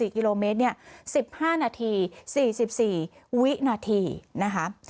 ๔กิโลเมตร๑๕นาที๔๔วินาทีนะคะ